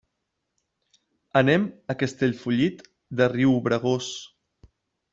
Anem a Castellfollit de Riubregós.